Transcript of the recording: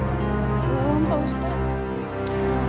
belum pak ustadz